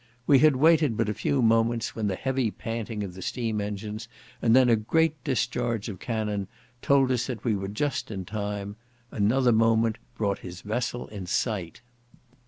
We had waited but a few moments when the heavy panting of the steam engines and then a discharge of cannon told that we were just in time; another moment brought his vessel in sight.